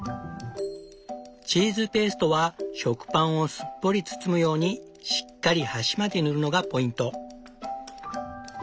チーズペーストは食パンをすっぽり包むようにしっかり端まで塗るのがポイント。